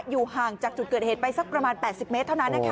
อยู่ห่างจากจุดเกิดเหตุไปสักประมาณ๘๐เมตรเท่านั้น